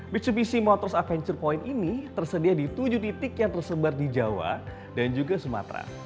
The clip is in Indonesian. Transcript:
mitsubishi motors aventure point ini tersedia di tujuh titik yang tersebar di jawa dan juga sumatera